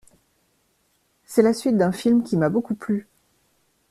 C'est la suite d'un film qui m'a beaucoup plu.